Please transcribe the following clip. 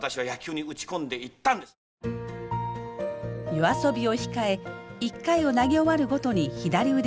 夜遊びを控え一回を投げ終わるごとに左腕をマッサージ。